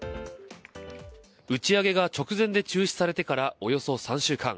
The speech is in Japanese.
打ち上げが直前で中止されてからおよそ３週間。